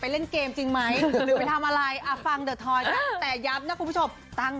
แล้วจะฟังให้รู้เรื่อง